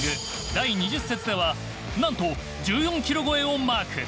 第２０節ではなんと１４キロ超えをマーク。